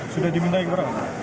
sudah diminta yang berapa